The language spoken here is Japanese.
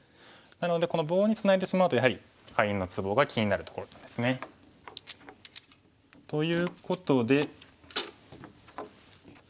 なのでこの棒にツナいでしまうとやはりカリンのツボが気になるところなんですね。ということで。